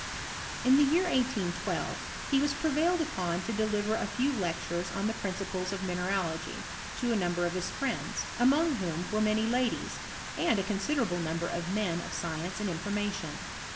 In the year 1S12 he was prevailed upon to de > liver a few lectures on the prmciples of mineralt^, to a number of his friends, among whom were many ladies, and a considerable number of men of science and information.